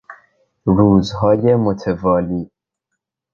روزهای متوالی